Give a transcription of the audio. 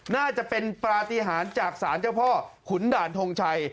น่าจะเป็นปฏิหารจากศาลเจ้าพ่อขุนด่านทงชัย